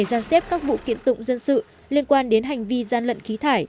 cho các vụ kiện tụng dân sự liên quan đến hành vi gian lận khí thải